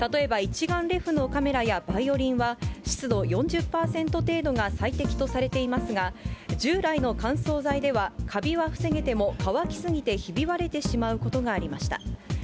例えば一眼レフのカメラやバイオリンは湿度４０％程度が最適とされていますが、従来の乾燥剤ではカビは防げても乾きすぎてひび割れてしまうことがありました。